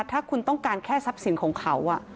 ถ้าคุณต้องการแค่ทรัพย์สินของเขา